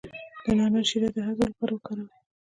د نعناع شیره د هضم لپاره وکاروئ